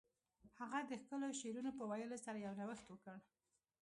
هغه د ښکلو شعرونو په ویلو سره یو نوښت وکړ